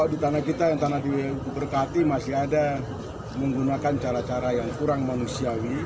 di tanah kita yang tanah diberkati masih ada menggunakan cara cara yang kurang manusiawi